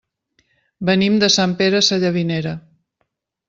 Venim de Sant Pere Sallavinera.